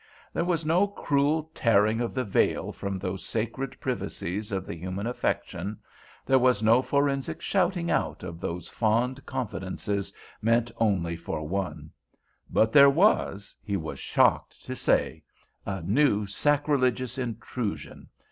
There was no cruel tearing of the veil from those sacred privacies of the human affection—there was no forensic shouting out of those fond confidences meant only for one. But there was, he was shocked to say, a new sacrilegious intrusion.